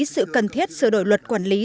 sự cần thiết sửa đổi luật quản lý